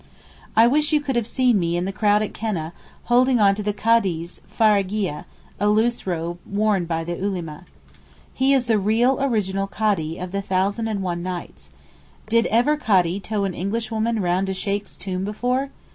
I wish you could have seen me in the crowd at Keneh holding on to the Kadee's farageeyeh (a loose robe worn by the Ulema). He is the real original Kadee of the Thousand and One Nights. Did ever Kadee tow an Englishwoman round a Sheykh's tomb before?